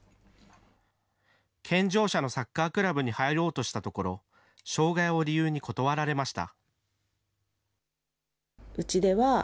健常者のサッカーチームに入ろうとしたところ、障害を理由に断られました。